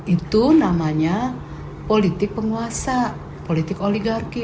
itu namanya politik penguasa politik oligarki